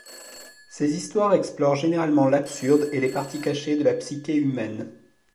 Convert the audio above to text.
Ces histoires explorent généralement l'absurde et les parties cachées de la psyché humaine.